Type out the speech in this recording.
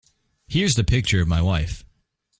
Here's the picture of my wife.